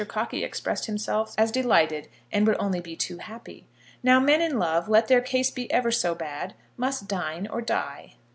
Cockey expressed himself as delighted, and would only be too happy. Now men in love, let their case be ever so bad, must dine or die.